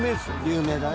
有名だね。